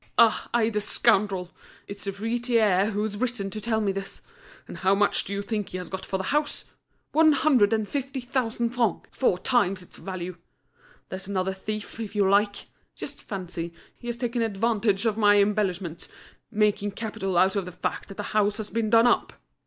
"Ah I the scoundrel! It's the fruiterer who's written to tell me this. And how much do you think he has got for the house? One hundred and fifty thousand francs, four times its value! There's another thief, if you like! Just fancy, he has taken advantage of my embellishments, making capital out of the fact that the house has been done up.